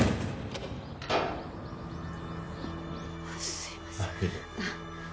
すいませんいえ